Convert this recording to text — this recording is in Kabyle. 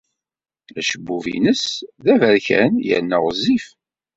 Acebbub-nnes d aberkan yerna ɣezzif.